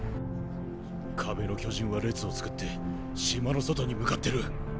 壁の巨人は列を作って島の外に向かってる。